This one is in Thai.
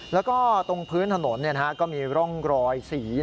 แล้วก็ตรงพื้นถนนก็มีร่องรอยสี